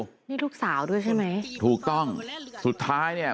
นี่ลูกสาวด้วยใช่ไหมถูกต้องสุดท้ายเนี่ย